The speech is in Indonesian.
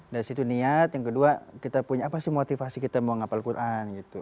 dari situ niat yang kedua kita punya apa sih motivasi kita mau ngapal quran gitu